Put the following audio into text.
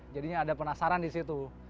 jadinya ada penasaran disitu